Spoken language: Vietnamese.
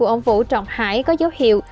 ông vũ trọng hải có dấu hiệu